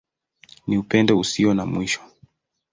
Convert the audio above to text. Ni Upendo Usio na Mwisho.